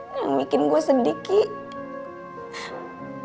yang bikin gue sedih kiki